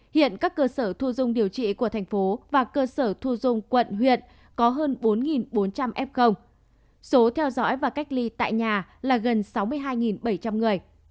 hiện các cơ sở thu dung điều trị của thành phố và cơ sở thu dung quận huyện có hơn bốn bốn trăm linh f số theo dõi và cách ly tại nhà là gần sáu mươi hai bảy trăm linh người